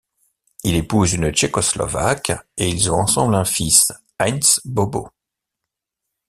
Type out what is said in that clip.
Il épouse une Tchécoslovaque et ils ont ensemble un fils, Heinz Bobo.